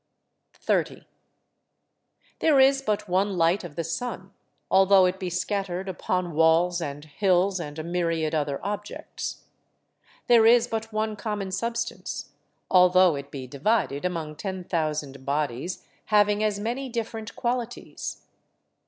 30. There is but one light of the sun, although it be scattered upon walls and hills, and a myriad other objects. There is but one common substance, although it be divided among ten thousand bodies having as many different qualities.